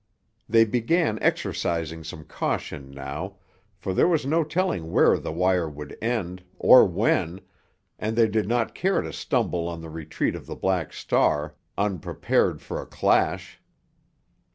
They began exercising some caution now, for there was no telling where the wire would end, or when, and they did not care to stumble on the retreat of the Black Star unprepared for a clash.